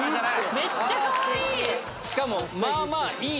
めっちゃかわいい！